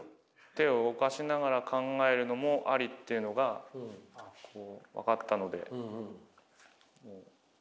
手を動かしながら考えるのもありっていうのがこう分かったので。